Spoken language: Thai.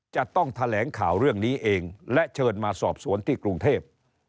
จะต้องแถลงข่าวเรื่องนี้เองและเชิญมาสอบสวนที่กรุงเทพ